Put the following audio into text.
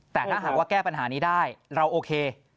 แต่ถ้าหากว่าแก้ปัญหานี้ได้เราโอเค